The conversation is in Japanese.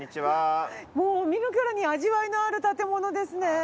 もう見るからに味わいのある建物ですね。